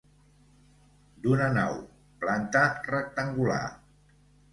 D'una nau, planta rectangular.